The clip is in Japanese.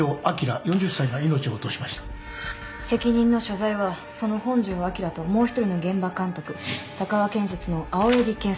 責任の所在はその本庄昭ともう一人の現場監督鷹和建設の青柳健作３５歳。